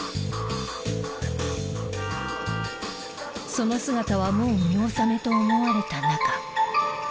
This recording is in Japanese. その姿はもう見納めと思われた中。